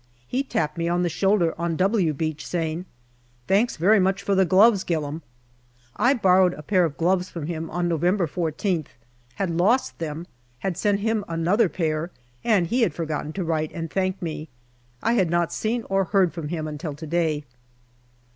He tapped me on the shoulder on " W" Beach, saying, " Thanks very much for the gloves, Gillam." I borrowed a pair of gloves from him on Novem ber I4th, had lost them, had sent him another pair, and he had forgotten to write and thank me. I had not seen or heard from him until to day.